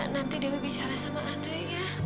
nanti dewi bicara sama andre ya